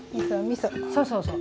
そうそうそう。